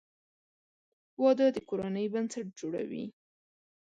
• واده د کورنۍ بنسټ جوړوي.